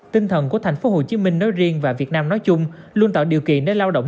tinh thần của thành phố hồ chí minh nói riêng và việt nam nói chung luôn tạo điều kiện để lao động